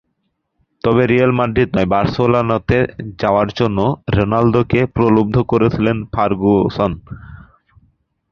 তবে Real Madrid নয়, বার্সেলোনাতে যাওয়ার জন্য রোনালদোকে প্রলুব্ধ করেছিলেন ফার্গুসন।